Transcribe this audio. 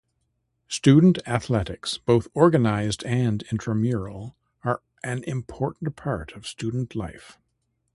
Student athletics, both organized and intramural, are an important part of student life.